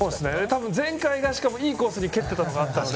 前回が、しかもいいコースに蹴っていたのがあったので。